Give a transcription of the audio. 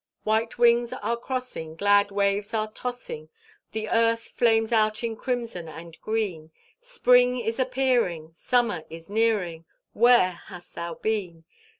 'White wings are crossing; Glad waves are tossing; The earth flames out in crimson and green: Spring is appearing, Summer is nearing Where hast thou been?